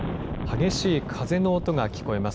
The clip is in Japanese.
激しい風の音が聞こえます。